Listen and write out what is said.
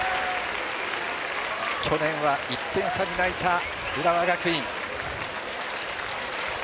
去年は１点差に泣いた、浦和学院。